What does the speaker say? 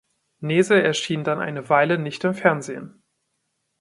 Nese erschien dann eine Weile nicht im Fernsehen.